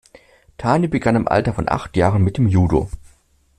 Tani begann im Alter von acht Jahren mit dem Judo.